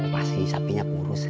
pasti sapinya burus